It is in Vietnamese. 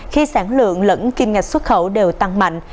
khi sản lượng lẫn kim ngạch xuất khẩu đều tăng mạnh